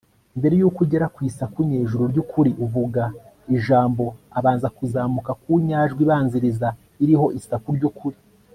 mbere y'uko ugera ku isaku nyejuru ry'ukuri, uvuga ijambo abanza kuzamuka ku nyajwi ibanziriza iriho isaku ry'ukuri